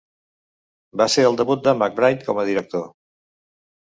Va ser el debut de McBride com a director.